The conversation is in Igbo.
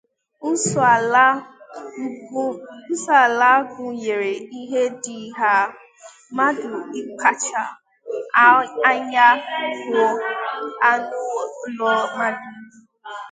Nsọala gụnyere ihe ndị a: mmadụ ịkpacha anya gbuo anụ ụlọ mmadụ